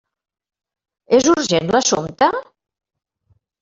És urgent l'assumpte?